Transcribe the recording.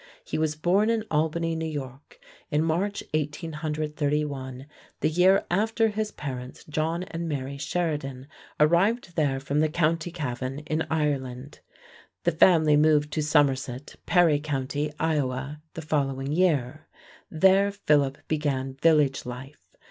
He was born in Albany, N.Y., in March, 1831, the year after his parents, John and Mary Sheridan, arrived there from the Co. Cavan, in Ireland. The family moved to Somerset, Perry Co., Ohio, the following year. There Philip began village life.